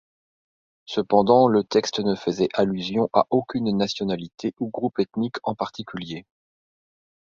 Cependant, le texte ne faisait allusion à aucune nationalité ou groupe ethnique en particulier.